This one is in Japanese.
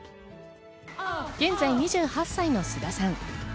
現在２８歳の菅田さん。